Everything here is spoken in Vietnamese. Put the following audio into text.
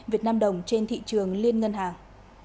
việt nam đồng trên thị trường liên ngân hàng